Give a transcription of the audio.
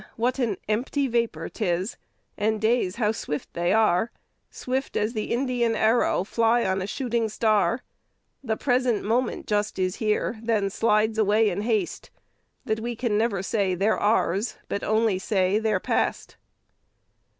what an empty vapor'tis! And days how swift they are! Swift as an Indian arrow, Fly on like a shooting star. The present moment just is here, Then slides away in haste, That we can never say they're ours, But only say they are past."